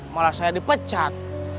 malah saya dipecat